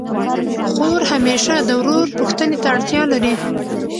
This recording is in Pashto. خور همېشه د ورور پوښتني ته اړتیا لري.